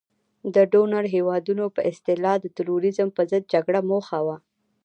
د ډونر هیوادونو په اصطلاح د تروریزم په ضد جګړه موخه وه.